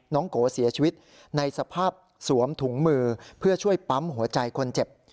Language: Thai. โกเสียชีวิตในสภาพสวมถุงมือเพื่อช่วยปั๊มหัวใจคนเจ็บ